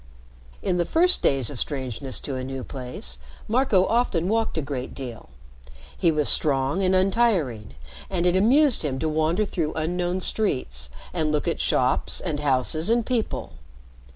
In the first days of strangeness to a new place, Marco often walked a great deal. He was strong and untiring, and it amused him to wander through unknown streets, and look at shops, and houses, and people.